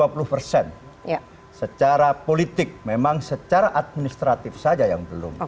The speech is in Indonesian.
jadi itu adalah satu persen secara politik memang secara administratif saja yang belum